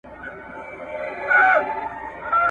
څوک به راویښ شي نیمه شپه ده لږ په ورو غږیږه